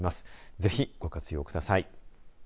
ぜひご活用ください。